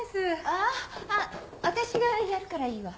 あ私がやるからいいわ。